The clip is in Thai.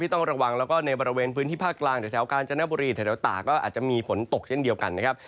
ต้องระวังแล้วก็ในบริเวณพื้นที่ภาคกลางแถวกาญจนบุรีแถวตาก็อาจจะมีฝนตกเช่นเดียวกันนะครับ